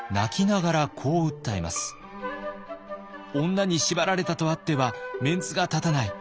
「女に縛られたとあってはメンツが立たない。